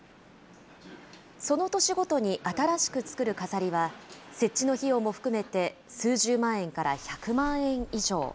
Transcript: その年ごとに新しく作る飾りは、設置の費用も含めて数十万円から１００万円以上。